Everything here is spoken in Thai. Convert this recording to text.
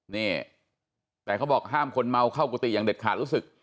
นี่แต่เขาบอกห้ามคนเมาเข้ากุฏิอย่างเด็ดขาดรู้สึก